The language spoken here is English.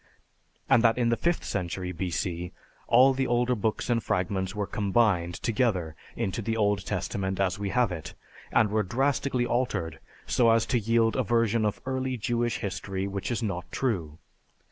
and that in the fifth century B.C. all the older books and fragments were combined together into the Old Testament as we have it, and were drastically altered so as to yield a version of early Jewish history which is not true.